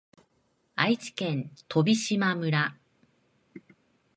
愛知県飛島村